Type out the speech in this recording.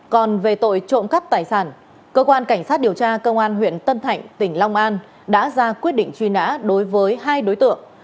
còn về tội trộm cắp tài sản cơ quan cảnh sát điều tra công an huyện tân thạnh tỉnh long an đã ra quyết định truy nã đối với hai đối tượng